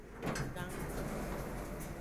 Gannggan.